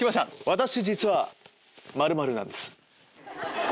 「私、実は○○なんです」。